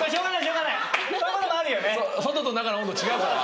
外と中の温度違うから。